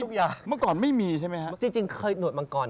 แต่เขาตัดได้มั้ยอันนี้อย่างนี้อย่างนี้